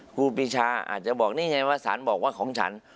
ครูปีชาอาจจะบอกนี่ไงว่าสารบอกว่าของฉัน